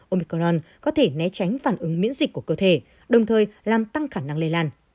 omicron có thể né tránh phản ứng miễn dịch của cơ thể đồng thời làm tăng khả năng lây lan